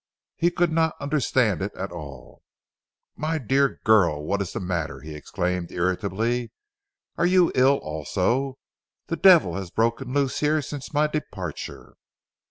He could not understand it all. "My dear girl what is the matter?" he exclaimed irritably, "are you ill also. The devil has broken loose here since my departure."